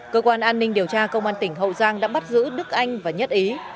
cơ quan an ninh điều tra công an tỉnh hậu giang đã bắt giữ đức anh và nhất ý